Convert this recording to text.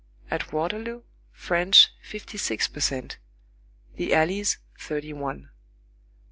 At Waterloo, French, fifty six per cent; the Allies, thirty one.